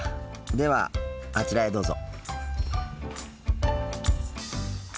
ではあちらへどうぞ。